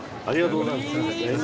ありがとうございます。